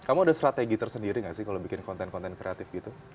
kamu ada strategi tersendiri nggak sih kalau bikin konten konten kreatif gitu